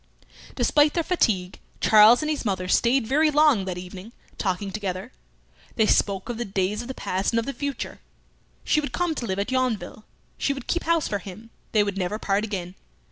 Despite their fatigue, Charles and his mother stayed very long that evening talking together. They spoke of the days of the past and of the future. She would come to live at Yonville; she would keep house for him; they would never part again.